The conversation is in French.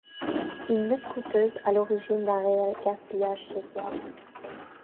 Une lutte coûteuse à l'origine d'un réel gaspillage social.